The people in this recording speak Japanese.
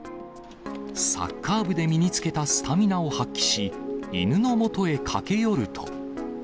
サッカー部で身につけたスタミナを発揮し、犬のもとへ駆け寄ると。